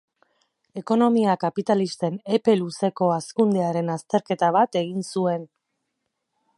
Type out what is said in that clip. Ekonomia kapitalisten epe luzeko hazkundearen azterketa bat egin zuen.